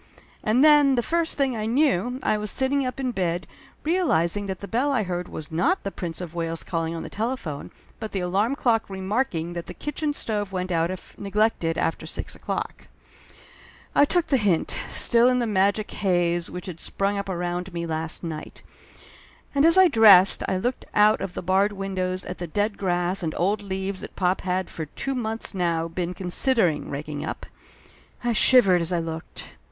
And then the first thing I knew, I was sitting up in bed, realizing that the bell I heard was not the Prince of Wales calling on the telephone, but the alarm clock remarking that the kitchen stove went out if neglected after six o'clock. I took the hint, still in the magic haze which had sprung up around me last night. And as I dressed I looked out of the barred window at the dead grass and old leaves that pop had for two months now been con sidering raking up. I shivered as I looked.